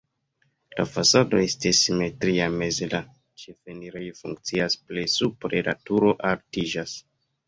La fasado estis simetria, meze la ĉefenirejo funkcias, plej supre la turo altiĝas.